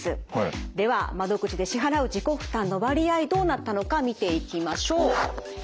では窓口で支払う自己負担の割合どうなったのか見ていきましょう。